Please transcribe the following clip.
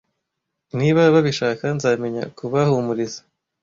niba babishaka nzamenya kubahumuriza